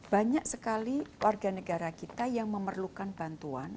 banyak sekali warga negara kita yang memerlukan bantuan